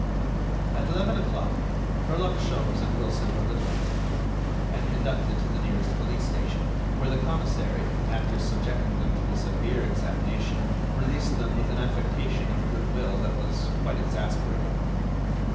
At eleven o'clock, Herlock Sholmes and Wilson were liberated, and conducted to the nearest police station, where the commissary, after subjecting them to a severe examination, released them with an affectation of good will that was quite exasperating.